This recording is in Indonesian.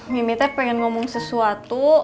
mimi teh pengen ngomong sesuatu